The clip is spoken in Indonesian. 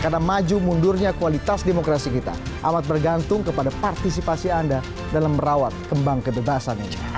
karena maju mundurnya kualitas demokrasi kita amat bergantung kepada partisipasi anda dalam merawat kembang kebebasan ini